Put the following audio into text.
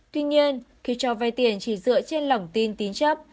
tuy nhiên khi cho vay tiền chỉ dựa trên lỏng tin tín chấp